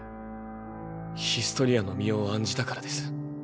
ヒストリアの身を案じたからです。